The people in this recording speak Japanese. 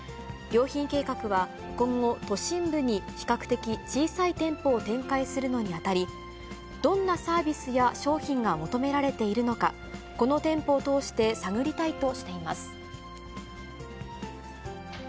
良品計画は今後、都心部に比較的小さい店舗を展開するのにあたり、どんなサービスや商品が求められているのか、この店舗を通して探りたいとしています。